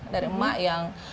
dari emak yang